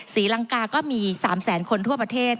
ศรีลังกาก็มี๓แสนคนทั่วประเทศ